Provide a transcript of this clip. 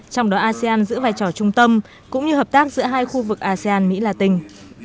trong đó asean giữ vai trò trung tâm cũng như hợp tác giữa hai khu vực asean mỹ la tình